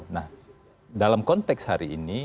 nah dalam konteks hari ini